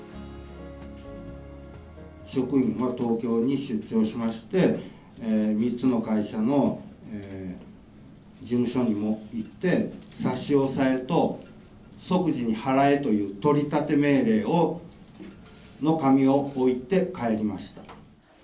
職員が東京に出張しまして、３つの会社の事務所にも行って、差し押さえと、即時に払えという取り立て命令の紙を置いて帰りました。